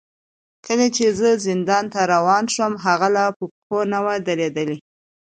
کله چې زه زندان ته روان شوم، هغه لا په پښو نه و درېدلی.